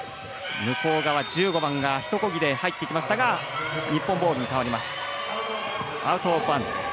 １５番がひとこぎで入ってきましたが日本ボールに変わります。